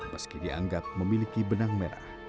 meski dianggap memiliki benang merah